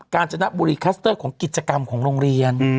การจนบุรีคลัสเตอร์ของกิจกรรมของโรงเรียน